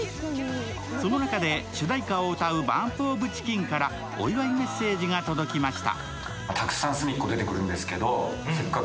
その中で主題歌を歌うＢＵＭＰＯＦＣＨＩＣＫＥＮから、お祝いメッセージが届きました。